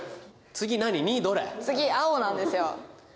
次青なんですよ。